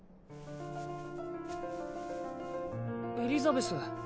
エリザベス。